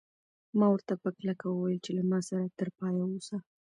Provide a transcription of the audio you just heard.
ما ورته په کلکه وویل چې له ما سره تر پایه اوسه.